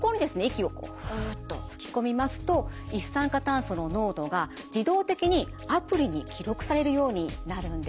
息をふうっと吹き込みますと一酸化炭素の濃度が自動的にアプリに記録されるようになるんです。